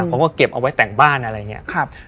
ผมก็เก็บเอาไว้แต่งบ้านอะไรอย่างนี้